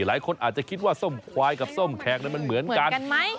หลายคนอาจจะคิดว่าส้มควายกับส้มแขกนั้นมันเหมือนกันไหม